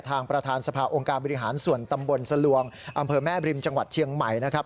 ประธานสภาองค์การบริหารส่วนตำบลสลวงอำเภอแม่บริมจังหวัดเชียงใหม่นะครับ